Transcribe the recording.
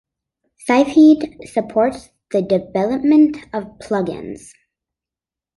Sylpheed supports the development of plug-ins.